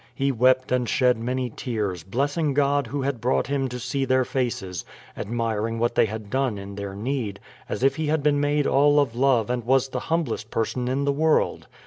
He wept and shed many tears, blessing God Who had brought him to see their faces, admiring what they had done in their need, as if he had been made all of love and was the humblest person in the world.